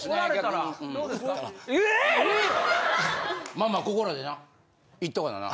まあまあここらでないっとかなな。